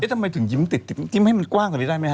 เอ๊ะทำไมถึงยิ้มติดยิ้มให้มันกว้างสักทีได้ไหมฮะ